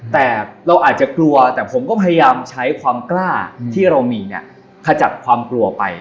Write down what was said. แต่เราอาจจะกลัวแต่ผมก็พยายามใช้ความกล้าที่เรามีเนี่ยขจัดความกลัวไป